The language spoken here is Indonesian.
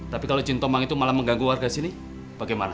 tapi kalau cintomang itu malah mengganggu warga sini bagaimana